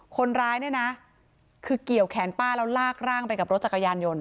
คนร้ายเนี่ยนะคือเกี่ยวแขนป้าแล้วลากร่างไปกับรถจักรยานยนต์